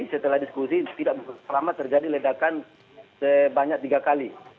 setelah diskusi tidak lama terjadi ledakan sebanyak tiga kali